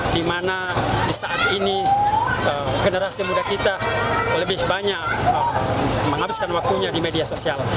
di mana di saat ini generasi muda kita lebih banyak menghabiskan waktunya di media sosial